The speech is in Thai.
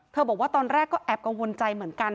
บอกว่าตอนแรกก็แอบกังวลใจเหมือนกัน